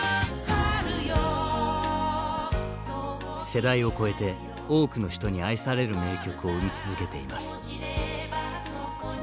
世代を超えて多くの人に愛される名曲を生み続けています。